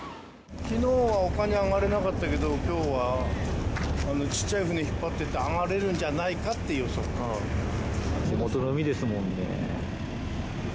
きのうはおかに上がれなかったけど、きょうは、ちっちゃい船引っ張っていって、上がれるんじゃないかっていう予地元の海ですもんね。